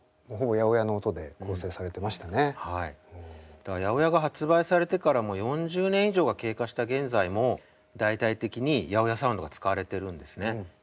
だから８０８が発売されてからもう４０年以上が経過した現在も大々的に８０８サウンドが使われてるんですね。